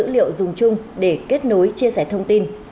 và dữ liệu dùng chung để kết nối chia sẻ thông tin